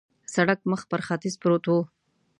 سړک مخ پر ختیځ پروت و.